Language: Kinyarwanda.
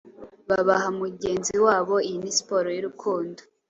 babaha mugenzi wabo: Iyi ni siporo y'urukundo,